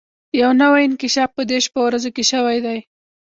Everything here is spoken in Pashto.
يو نوی انکشاف په دې شپو ورځو کې شوی دی.